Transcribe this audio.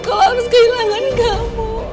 kalau harus kehilangan kamu